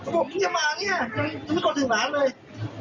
ผมพึ่งมานี่ไม่กดถึงร้านเลย